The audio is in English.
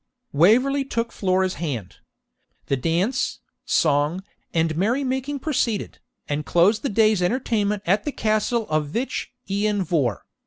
Waverley took Flora's hand. The dance, song, and merry making proceeded, and closed the day's entertainment at the castle of Vich Ian Vohr.